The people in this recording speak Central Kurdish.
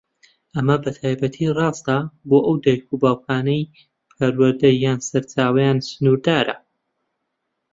ئەمە بەتایبەتی ڕاستە بۆ ئەو دایک و باوکانەی پەروەردە یان سەرچاوەیان سنوردارە.